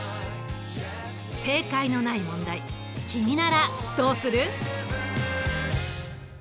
正解のない問題君ならどうする？